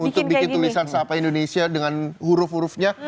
untuk bikin tulisan sahabat indonesia dengan huruf hurufnya